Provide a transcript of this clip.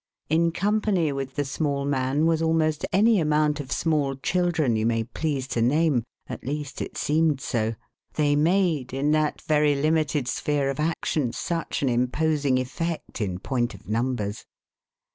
In company with the small man, was almost any amount of small children you may please to name — at least, it seemed so; they made, in that very limited sphere of action, such an imposing effect, in point of numbers.